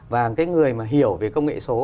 và cái người mà hiểu về công nghệ số